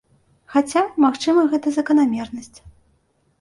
Хаця, магчыма, гэта заканамернасць.